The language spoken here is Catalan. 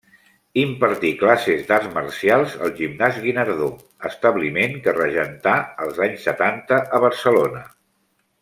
Impartí classes d’arts marcials al Gimnàs Guinardó, establiment que regentà els anys setanta a Barcelona.